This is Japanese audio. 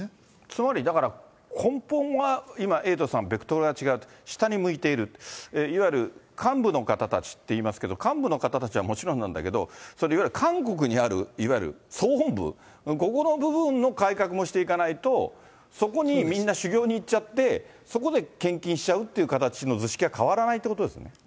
つまりだから、根本は今、エイトさん、ベクトルが違うと、下に向いている、いわゆる幹部の方たちといいますけども、幹部の方たちはもちろんなんだけど、いわゆる韓国にあるいわゆる総本部、ここの部分の改革もしていかないと、そこにみんな修行に行っちゃって、そこで献金しちゃうっていう形の図式は変わらないということです